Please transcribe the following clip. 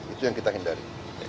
itu yang kita hindari